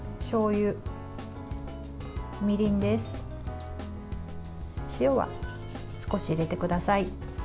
お塩は少し入れてください。